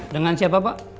dengan siapa pak